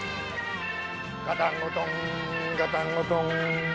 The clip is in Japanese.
ガタンゴトーンガタンゴトーン。